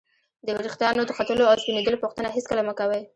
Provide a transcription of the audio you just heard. د ورېښتانو د ختلو او سپینېدلو پوښتنه هېڅکله مه کوئ!